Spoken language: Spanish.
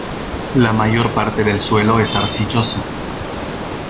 La mayor parte del suelo es arcilloso.